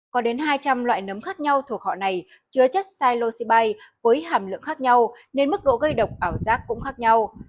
có đến hai trăm linh loại nấm khác nhau thuộc họ này chứa chất silosebay với hàm lượng khác nhau nên mức độ gây độc ảo giác cũng khác nhau